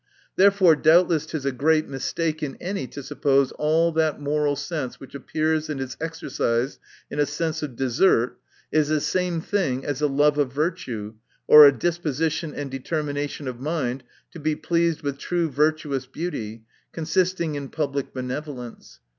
Therefore doubtless it is a great mistake in any to suppose, all that moral sense which appears and is exercised in a sense of desert, is the same thing as a love of virtue, or a disposition and determination of mind to be pleased with true virtuous beauty, consisting in public benevolence.